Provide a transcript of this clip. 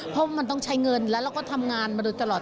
เพราะมันต้องใช้เงินแล้วเราก็ทำงานมาโดยตลอด